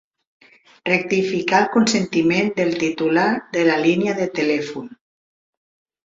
Rectificar el consentiment del titular de la línia de telèfon.